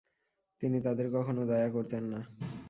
তিনি তাদের কখনও দয়া করতেন না।